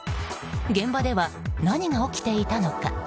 現場では何が起きていたのか。